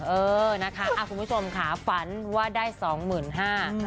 เออนะคะคุณผู้ชมค่ะฝันว่าได้สองหมื่นห้า